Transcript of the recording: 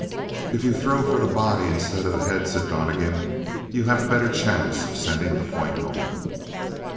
"If you throw for the body instead of the head," said Donnegan, "you have a better chance of sending the point home."